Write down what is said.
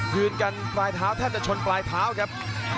ยืนกันปลายเท้าแทบจะชนปลายเท้าครับ